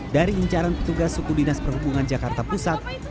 dari incaran petugas suku dinas perhubungan jakarta pusat